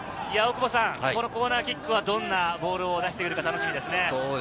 このコーナーキックはどんなボールを出してくるか楽しみですね。